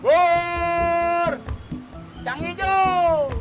burp yang hijau